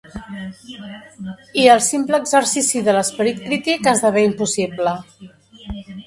I el simple exercici de l'esperit crític esdevé impossible.